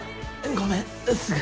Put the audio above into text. ごめんすぐ。